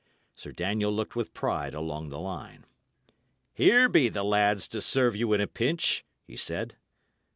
Sir Daniel looked with pride along the line. "Here be the lads to serve you in a pinch," he said.